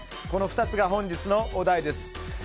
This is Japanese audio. この２つが本日のお題です。